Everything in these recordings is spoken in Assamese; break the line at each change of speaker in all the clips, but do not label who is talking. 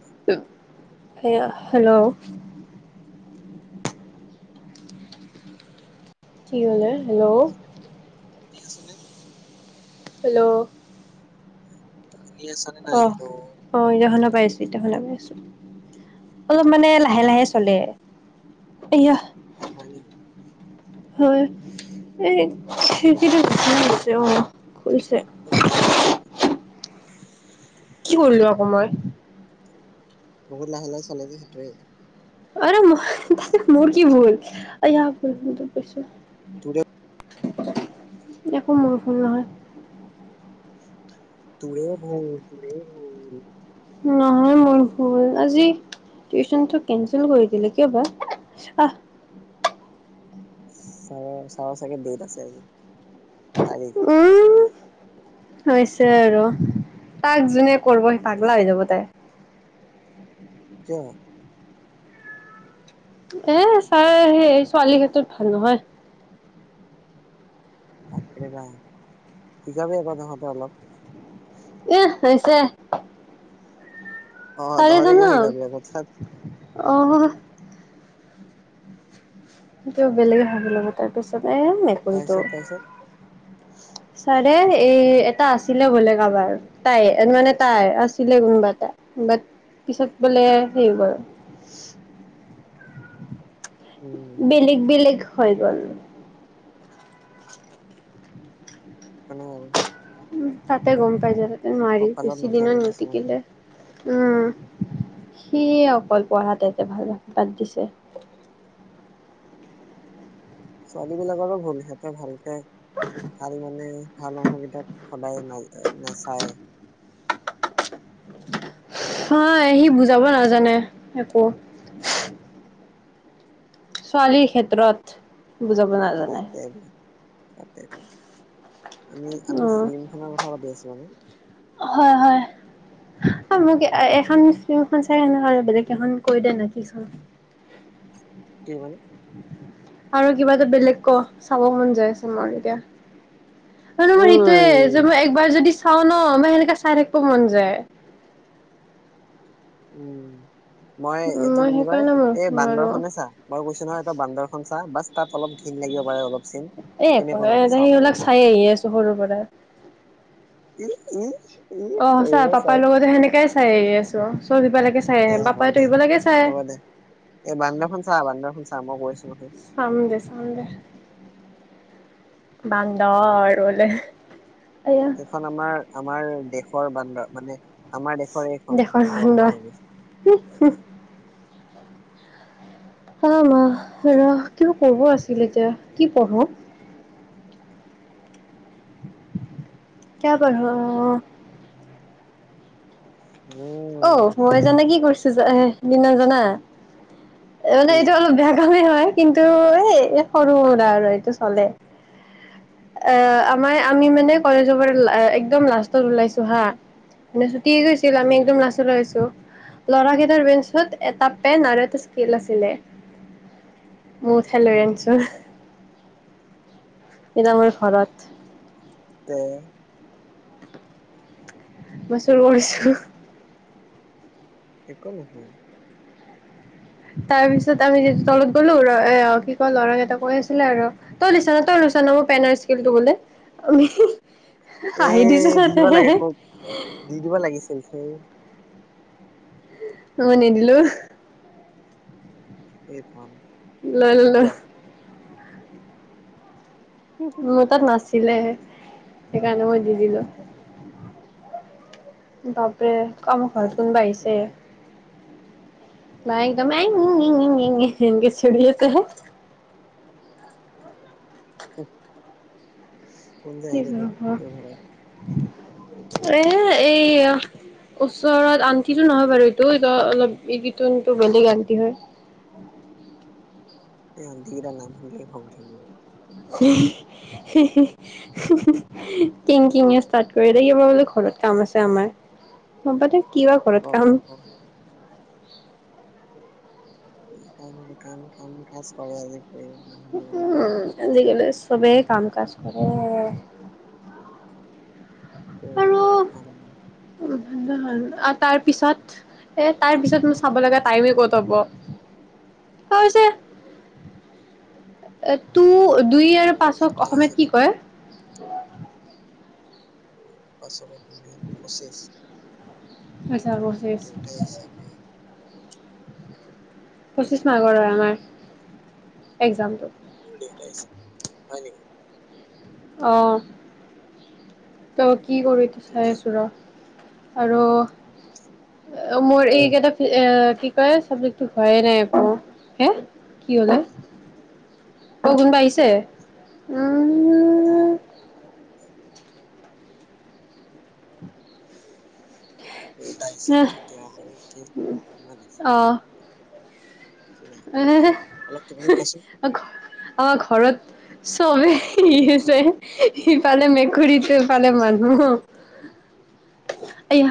অ
হেল্ল' কি হ'লে
শুনিছানে, শুনি আছ নে
হেল্ল'
শুনি আছানে নাই
অহ
হেল্ল'
অ এতিয়া শুনা পাইছোঁ এতিয়া শুনা পাইছোঁ অলপ মানে লাহে লাহে চলে এয়া
হয় নেকি
হয় এই
বহুত লাহে
খিৰিকীটো [unintelligible] অ খুলিছে
বহুত বেয়া কথা এইবিলাক
কি কৰিলো আকৌ মই
বহুত লাহে লাহে চলে জে সেইটোৱে
আৰে মোৰ তাতে মোৰ কি ভুল আয়া ভৰিত দুখ পাইছোঁ
তোৰে
একো মোৰ ভুল নহয়
তোৰে ভুল তোৰে ভুল
নহয় মোৰ ভুল আজি টিউচনটো কেনচেল কৰি দিলে কিয় বা? আহ
ছাৰ ছাৰৰ চাগে ডেট আছে তাৰিখ।
উম হৈছে আৰু তাক যোনে কৰিব সেই পাগলা হৈ যাব তাই।
কিয়?
এ ছাৰে সেই ছোৱালীৰ ক্ষেত্ৰত ভাল নহয়।
বাপ ৰে বাপ শিকাবি আকৌ তহঁতে অলপ।
এহ হৈছে
অ' তহঁতে
ছাৰেটো
কিয়
ন
শিকাবি আকৌ ধেৎ।
অ হ এইটো বেলেগে ভাবি ল'ব তাৰপিছত এ মেকুৰীটো
তাৰপিছত তাৰপিছত
ছাৰে এই এটা আছিলে বোলে কাবাৰ তাই মানে তাৰ আছিলে কোনোবা এটা বাট পিছত বোলে হেৰি হৈ গল।
উম
বেলেগ বেলেগ হৈ গ'ল। উম,
মানে
উম তাতে গম পাই যায় তাতে নোৱাৰি
কপালত
বেছি দিনো
নাথাকে
নিতিকিলে
কিছুমানৰ।
উম সিয়ে অকল পঢ়াতে এতে ভাল বাদ দিছে
ছোৱালী বিলাকৰো ভুল সিহঁতে ভালকে ভাল মনে ভাল মানুহ কিতাক সদায় না নাচায়
হয় সি বুজাব নাজানে একো। ছোৱালীৰ ক্ষেত্ৰত বুজাব নাজানে।
বাদ দে এইবিলাক বাদ দে এইবিলাক আমি আমি
উম,
ফিল্ম ৰ কথা পাতি আছো আমি
হয় হয় মোক এখন ফিল্ম চাই দে না আৰু বেলেগ এখন কৈ দে নে কি চাওঁ
কি ক'লি?
আৰু কিবা এটা বেলেগ ক চাব মন যায় আছে মোৰ এতিয়া মানে
ঐ
মোৰ সেইটোয়ে যে মই একবাৰ যদি চাওঁ ন মই সেনেকাে চাই থাকিব মন যায়।
উম মই
উম,
এইটো
মই
কি বুলি কয়
সেইকাৰণে
এই
নোৱাৰো।
বান্দৰখনে চা মই কৈছো নহয় এটা বান্দৰখন চা বাচ তাত অলপ ঘিণ লাগিব পাৰে অলপ চিন
এ একো
তেনেকুৱা
নাই এ
নোৱাকে চাব
সেইবিলাক
পাৰিবি
চাই আহি আছোঁ সৰুৰ পৰা। [inaudible]
উম উম
অঁ সঁচা পাপাৰ লগতে সেনেকাই চাই আহি আছোঁ চব সেইবিলাকে চাই
দে
আহি আছো।
হ'ব
পাপাই
দে
তো সিবিলাকে চাই।
হ'ব দে এই বান্দৰখন চা বান্দৰখন চা মই কৈ আছোঁ নহয়
চাম দে চাম দে। বান্দৰ বোলে
এইখন আমাৰ আমাৰ দেশৰ বান্দৰ মানে আমাৰ দেশৰে এইখন পালন হোৱা হৈ গৈছে।
হুহ হুহ অ মা, ৰহ কিবা ক'ব আছিলে এতিয়া কি পঢ়ো? কিয়া পঢ়ো।
উম
অ! মই জানে কি কৰিছো এ সিদিনা জানা?
কি
মানে এইটো অলপ বেয়া কমেই হয়, কিন্তু এই সৰু সুৰা আৰু এইটো চলে। অ, আমাৰ এই আমি মানে কলেজৰ পৰা অ একদম লাষ্টত ওলাইছো হা মিছুটি হৈ গৈছিল আমি
উম
ক্লাছলৈ আহিছো। ল'ৰা কেইটাৰ বেঞ্চত এটা পেন আৰু এটা স্কেল আছিলে। মই উঠাই লৈ
উম
আনিছো। এতিয়া মই ঘৰত।
তে
মই চুৰ কৰিছো।
একো নহয়।
তাৰপিছত আমি যে, তলত গ'লো ৰ এ অ কি ক'ল ল'ৰা কেইটা কৈ আছিলে আৰু তই লৈছা ন, তই লৈছা ন মোৰ পেন আৰু স্কেলটো বোলে।
এ
হাঁহি দিছো
দি
তাতে
দিব লাগে আকৌ, দি দিব লাগিছিল সেই।
মই নিদিলো।
এ ৰাম।
লৈ ল'লো। মোৰ তাত নাছিলে, সেইকাৰণে মই দি দিলো। বাপৰে, অ' মোৰ
এ
ঘৰত কোনোবা
কোনো
আহিছে। মায়ে একদম আই ইং-ইং-ইং-ইং এনেকে চিয়ঁৰি আছে।
[unintelligible] কোন যে
কি
আহি থাকে
আছিলেনো
তোৰ ঘৰত
ঘৰত? এ এইয়া ওচৰত আণ্টিটো নহয় বাৰু এইটো অলপ এডিতন্টো বেলেগ আণ্টি হয়।
এই আণ্টি কেইটাৰ নাম শুনিলে খং উঠে মোৰ।
হেই। হেহে, হেহে কিংকিঙিয়া ষ্টাৰ্ট কৰি থাকিব বোলো ঘৰত। কাম আছে আমাৰ। হ'ব দে কি বা
অ
ঘৰত
অ
কাম?
অ কাম আৰু কাম। কাম-কাজ কৰা আজি এই মা
উ-উম, আজিকালি চবেই কাম-কাজ কৰে।
কি কাম?
[inaudible] আৰু তাৰ পিছত এ তাৰ পিছত মোৰ চাব লগা টাইমে ক'ত হ'ব। হৈছে এটো দুই আৰু
মোৰ
পাঁচক
দেউতা আহিছে
অসমীয়াত কি
নেকি
কয়?
পাঁচক অসমীয়াত পঁচিছ।
আচ্ছা পঁচিছ
দেউতাই আহিছে বে।
পঁচিছ মাৰ্কৰে আমাৰ, একজামটো।
মোৰ দেউতা আহিছে, হয় নেকি?
অ' ত' কি কৰোঁ এতিয়া চাই
ঠিকে
আছো ৰ। আৰু অ', মোৰ এইকেইটা এ কি কয়? চাবজেক্টটো হোৱাই নাই মোৰ একে। হে! কি হ'লে? অ', কোনোবা আহিছে? উম।
অ'। দেউতা আহিছে। এতিয়া আৰু কি, কিমান আছে?
অ',
একদিন আহিবলৈ কৈছে। অলপ থিয়ৰী কোৱাচোন।
অ', ঘ, অ' ঘৰত। চ' ই হৈছে। এইফালে মেকুৰীটো, এইফালে মানুহ। আইয়া।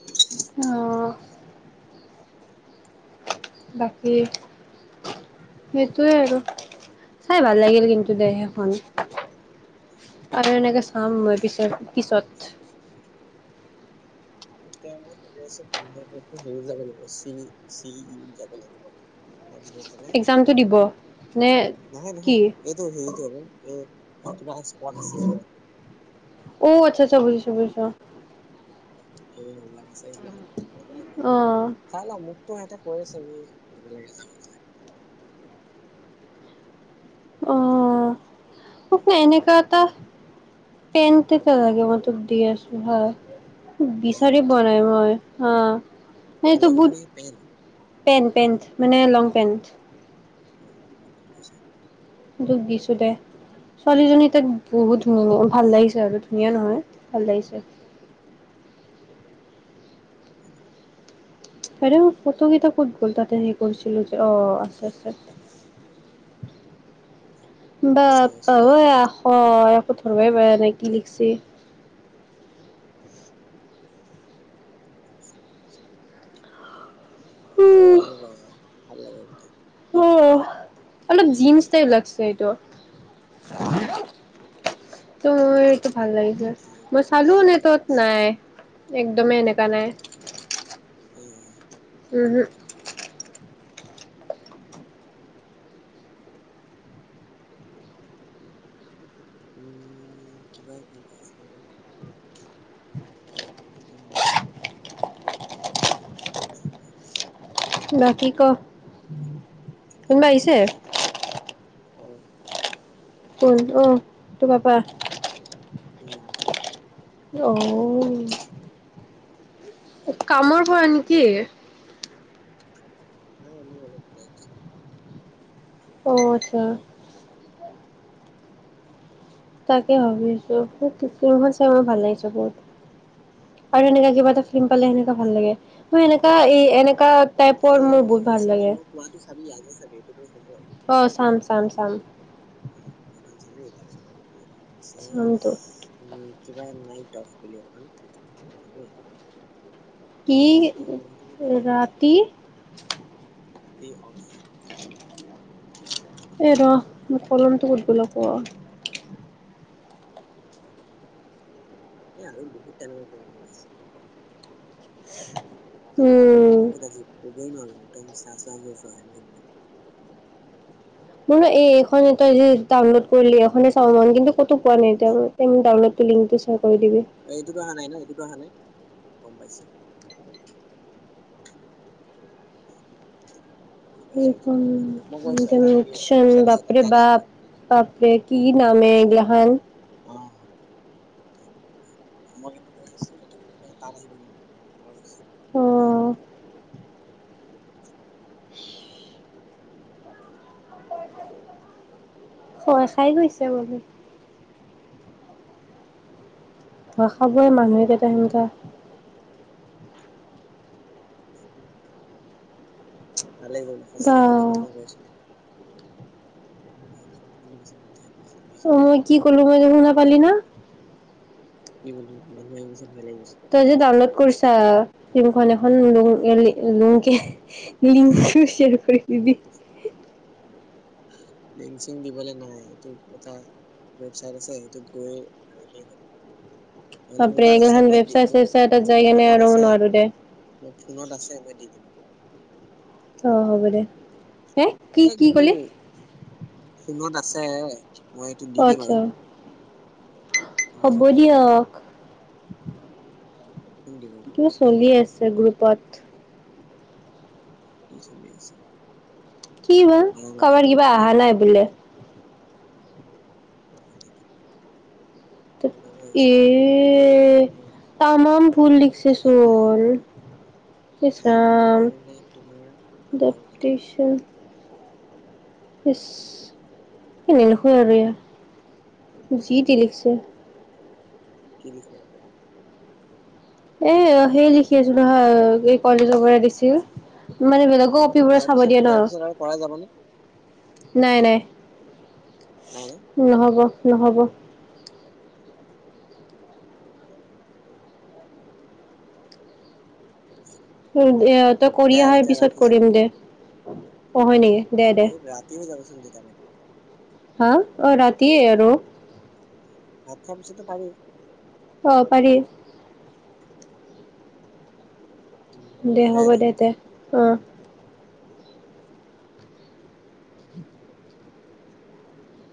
[unintelligible]
অহ'। বাকী' সেইটোৱে আৰু, চাই ভাল লাগিল কিন্তু দেহ এখন। আৰু এনেকে চাম মই পিছত-পিছত।
তেতিয়া মই ভাব আছো পোন্ধৰ তাৰিখ হেৰি যাব লাগিব চঙি-চিঙি যাব লাগিব। তা'ত গৈ পেলাই,
এক্জামটো দিব নে
নহয়
কি
ম-নহয়। এইটো-সেইটো আক' [unintelligible]
অ' আচ্ছা-আচ্ছা, বুজিছো-বুজিছো অঁ',।
উম' সেই সেইবিলাক আছে সেইবিলাকত প কৰিব লাগিব।
অ',
চাই লওঁ, মোকতো সিহঁতে আছে যাব লাগে বুলিহ
অঁ', এনেকুৱা এটা- পেনটো পে লাগে মই তোক দিয়ে আছো হয়। বিচাৰি
পেণ্ট
পোৱা নাই মই অঁ',। এইটো
কলম
বু
নে পেন
পেণ্ট-পেণ্ট মানে লং পেণ্ট।
[unintelligible]
দুখ দিছো দে।
উম।
ছোৱালীজনী তাক বহুত ধুনীয়া ভাল লাগিছে আৰু ধুনীয়া নহয় ভাল লাগিছে।
উম।
সেইটো ফটো কেইটা ক'ত গ'ল তাতে সেই কৰিছিলো যে অ' আছে-আছে।
[unintelligible] চাই
বাপ পা
আছো
আক আকৌ ধৰবাই ব নাই কি লিখিছে।
ঠিক আছে। অ' এনেকুৱা হয়, ভাল লাগে তেতিয়া।
অহ', অলপ জিন্ছ টাইপ লাগছে এইটো।
[unintelligible]
ত' মোৰ এইটো ভাল লাগিছে মই চালো নে তাত নাই। একদমেই এনেকুৱা নাই।
উম।
উম-হুম।
[unintelligible] উম।
বাকী ক'? কোনোবা আহিছে?
উম।
কোন আহ' পাপা।
উম।
অ'।
[inaudible]
কামৰ পৰা নেকি?
উম' হয়, এনেই অলপ লাগ
অ' আচ্ছা। তাকে ভাবিছো, [inaudible] চাই মই ভাল লাগিছে বহুত। আৰু এনেকা কিবা
উম
এটা চিম্পল
মই
এনেকা ভাল লাগে। মই এনেকা এ-এনেকা
মানে, মই কৈছো নহয় মই কোৱাাতো চাবি ইয়ালে চাবি এইটোতো হোমৰ্ক।
অ' চাম-চাম-চাম।
অ' এইখন চালি তাৰপিছত আৰু কি হৈছে
চামটো
উম, কিবা নাইটফ বুলি এখন [unintelligible]
কি
ত সেইটো
ৰাতি
[unintelligible] অফ
এ ৰহ মোৰ কলমটো কত গল আক
এ আৰু বহুত তেনেকুৱা [unintelligible] আছে। তাৰ নাম
উম
বহুত আজী ক'বই নোৱাৰো একদম চাহ-চাহ হৈ যোৱা
মোৰ ন'এই- এইখন এটা যে ডাউনলোড কৰিলি এইখনে চাব মন কিন্তু ক'তো পোৱা নাই এতিয়া মই। তে মোক ডাউনলডলিংকটো শ্বেয়াৰ কৰি দিবি।
এ-এইটোতো আহা নাই ন' এইটোতো আহা নাই গম পাইছো। গম পাইছো এইটোতো
এইখন
অহা নাই মই
কি
কৈছো এটা হেৰি এটা
ডামেকচন
ৱেবচাইট আছে তাত
বাপৰে
তাত আহিব
বাপ। বাপৰে কি নাম হে এইগিলা হান।
অ', মই কিন্তু কৈ আছো এইটো
অ
[unintelligible]
ভয় খাই গৈছে [unintelligible] ভয় খাবই মানুহেই কেইটা সেনেকুৱা।
ভাল লাগিব ন'
বা
সঁচাকে ভাল লাগিব মই কৈছো নহ [unintelligible]
অ, মই কি কলো মই যে শুনা পালি না?
কি কলি মানুহ আহি গৈছে ভয় লাগি গৈছে।
তই যে ডাউনলোড কৰিছা ফ্লিমখন এখন
উম
লুংয়েলি লুং কে লিংকটো শ্বেয়াৰ কৰি দিবি।
লিংচিং দিবলে নাই এইটো এটা ৱেবচাইট আছে সেইটোত গৈ মাৰিলেই হ'ল। নহলে মোৰ
বাপৰে
তাত আছে
এইগিলাখান
মই দি
ৱেবচাইট চেবচাইটত
মোৰ-মোৰ
যাই কেনে আৰু
ফোনত আছে।
নোৱাৰো দে
মই ফোনত আছে মই দি দিম।
অ, হ'ব দে হে কি
এ
কি
কিন্তু
ক'লি?
ফোনত আছে মই এইটো দি দিম আৰু।
আচ্ছা
ফোনৰ
হ'ব
পৰা ফোনলে
দিয়ক।
ষুন দিব
কিবা চলি আছে গ্ৰুপত।
কি চলি আছে?
কিবা
মাৰা মাৰি
কাবাৰ কিবা আহা নাই বোলে।
[unintelligible]
ত'
মোৰ তালৈ আহিছে
এ
চাগে অ অ
তামাম ভুল লিখছে
আহা নাই
চোন। ইচ
তাৰ
ৰাম
তোমাৰ নে তোমাৰ লগৰ
[unintelligible] ইচ এ নেলেখোৱে আৰু ইয়া যি টি লিখছে।
কি লিখব [unintelligible]
এ অ, সেই লিখি আছো নহয় এই কলেজৰ পৰা দিছিল। মানে বেলেগৰ
উম
কপিৰ পৰা
ইয়াৰ
চাব
পিছত
দিয়ে
ইয়াৰ পিছত আৰু কৰা যাবনে
ন'। নাই-নাই।
নাই ন'?
নহ'ব-নহ'ব।
[unintelligible]
[unintelligible] তই কৰি
দে আৰু
আহাৰ
এতিয়া
পিছত
ৰাখিছো
কৰিম দে অ, হয় নেকি? দে দে
এই ৰাতি হৈ যাবচোন তেতিয়ালে।
হাঁ' অ' ৰাতিয়ে আৰু।
ভাত খোৱাৰ পিছতো পাৰি।
অ' পাৰি। দে হ'ব দে তে অঁ।